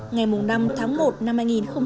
ngày năm tháng một năm hai nghìn hai mươi